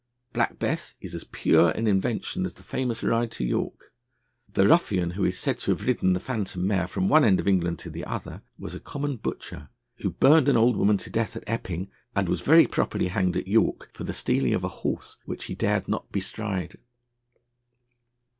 Black Bess is as pure an invention as the famous ride to York. The ruffian, who is said to have ridden the phantom mare from one end of England to the other, was a common butcher, who burned an old woman to death at Epping, and was very properly hanged at York for the stealing of a horse which he dared not bestride.